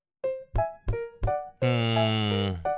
うん。